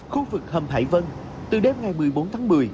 khu vực hầm hải vân từ đêm ngày một mươi bốn tháng một mươi